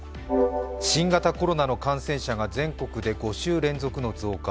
新型コロナの感染者が全国で５週連続の増加。